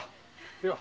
では。